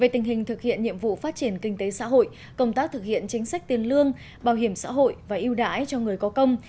về tình hình thực hiện nhiệm vụ phát triển kinh tế xã hội công tác thực hiện chính sách tiền lương bảo hiểm xã hội và yêu đãi cho người có công